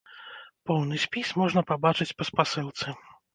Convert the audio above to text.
Поўны спіс можна пабачыць па спасылцы.